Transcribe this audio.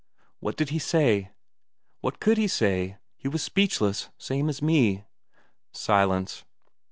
"What did he say?" "What could he say? He was speechless, same as me." Silence.